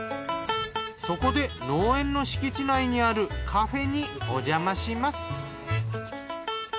そこで農園の敷地内にあるカフェにおじゃまします。